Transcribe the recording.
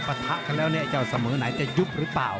ประทะกันแล้วเนี่ยเจ้าเสมอไหนจะยุบหรือเปล่า